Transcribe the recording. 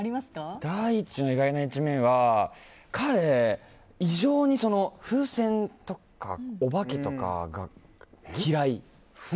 太智の意外な一面は彼、異常に風船とかお化けとかが嫌い。